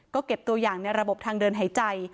ก็เก็บตัวอย่างในระบบทางเดินหายใจ